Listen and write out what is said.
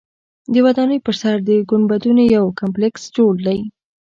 د ودانۍ پر سر د ګنبدونو یو کمپلیکس جوړ دی.